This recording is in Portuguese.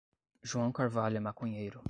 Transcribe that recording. João Carvalho é maconheiro